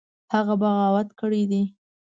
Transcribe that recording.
هغه بغاوت کړی دی.